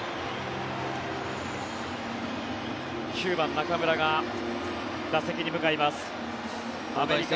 ９番、中村が打席に向かいます。